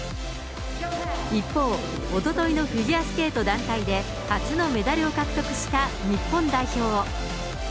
一方、おとといのフィギュアスケート団体で初のメダルを獲得した日本代表。